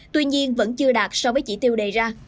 tuy nhiên vẫn chưa đạt so với chỉ tiêu đề ra